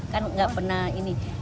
kan gak pernah ini